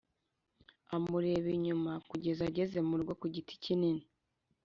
amureba inyuma kugeza ageze murugo ku giti kinini.